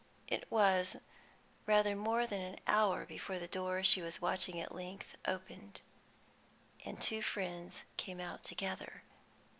It was rather more than an hour before the door she was watching at length opened, and two friends came out together.